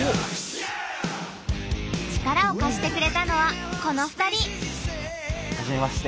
力を貸してくれたのはこの２人！